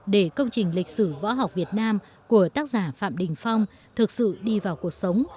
để công trình lịch sử võ học việt nam của tác giả phạm đình phong thực sự đi vào cuộc sống